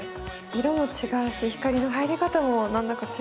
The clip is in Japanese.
色も違うし光の入り方も何だか違うし。